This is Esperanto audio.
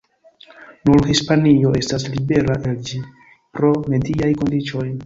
Nur Hispanio estas libera el ĝi pro mediaj kondiĉoj.